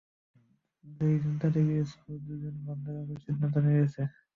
সেই চিন্তা থেকেই স্কুল দুই দিন বন্ধ রাখার সিদ্ধান্ত নেওয়া হয়েছে।